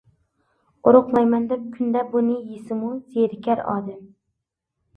ئورۇقلايمەن دەپ كۈندە بۇنى يېسىمۇ زېرىكەر ئادەم.